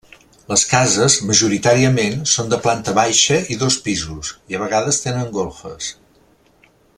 Les cases, majoritàriament, són de planta baixa i dos pisos, i a vegades tenen golfes.